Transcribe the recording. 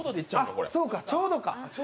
あそうか、ちょうどか。